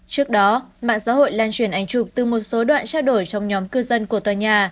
trước đó mạng xã hội lan truyền ảnh chụp từ một số đoạn trao đổi trong nhóm cư dân của tòa nhà